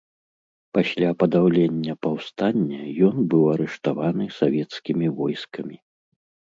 Пасля падаўлення паўстання ён быў арыштаваны савецкімі войскамі.